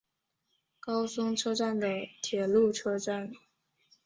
高松车站的铁路车站。